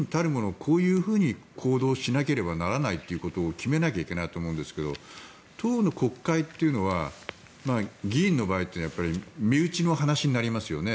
こういうふうに行動しなければならないということを決めなきゃいけないと思うんですけど当の国会というのは議員の場合は身内の話になりますよね。